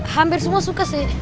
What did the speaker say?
hampir semua suka sih